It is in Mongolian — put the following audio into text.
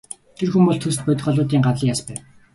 Тэр бол хүн төст бодгалиудын гавлын яс байв.